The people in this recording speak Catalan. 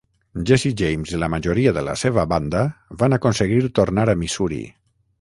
Jesse James i la majoria de la seva banda van aconseguir tornar a Missouri.